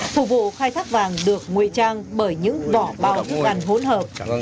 phục vụ khai thác vàng được nguy trang bởi những vỏ bao thức gắn hôn hợp